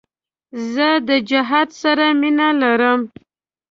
زه د جهاد سره مینه لرم.